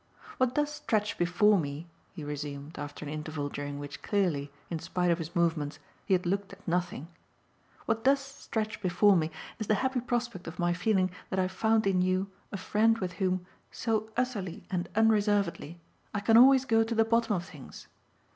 "What does stretch before me," he resumed after an interval during which clearly, in spite of his movements, he had looked at nothing "what does stretch before me is the happy prospect of my feeling that I've found in you a friend with whom, so utterly and unreservedly, I can always go to the bottom of things.